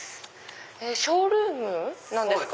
ショールームなんですか？